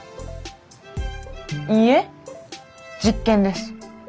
いいえ実験です。